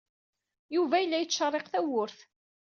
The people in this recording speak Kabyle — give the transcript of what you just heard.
Yuba yella yettcerriq tawwurt.